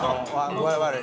具合悪い。